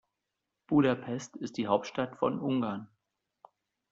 Budapest ist die Hauptstadt von Ungarn.